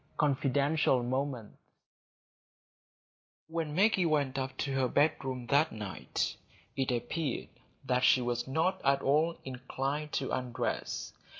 Confidential Moments When Maggie went up to her bedroom that night, it appeared that she was not at all inclined to undress.